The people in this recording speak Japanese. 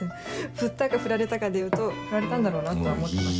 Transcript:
振ったか振られたかでいうと振られたんだろうなとは思ってました。